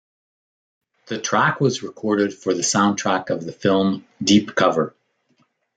The track was recorded for the soundtrack of the film "Deep Cover".